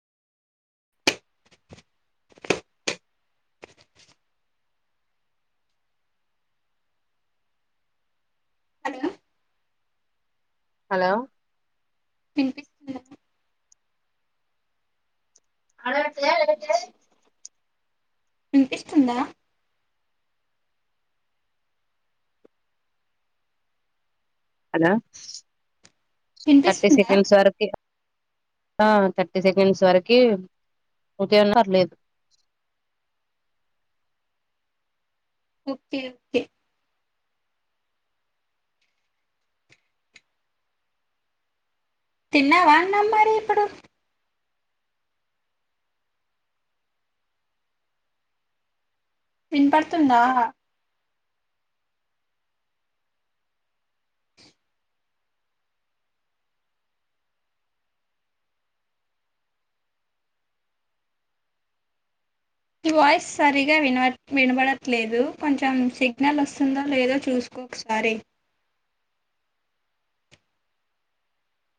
hello hello వినిపిస్తుందా అడ ఏట అనిపిస్తుందా హలో తీర్థి వినిపిస్తుందా సెకండ్స్ వరకి ఆ థర్టీ సెకండ్స్ వరకి [inaudible] ఒకే ఒకే తిన్నావా అన్నం మరి ఇప్పుడు వినపడుతుందా మీ వాయిస్ సరిగా విన వినబడట్లేదు కొంచెం సిగ్నల్ వస్తుందో లేదో చూసుకో ఒకసారి అ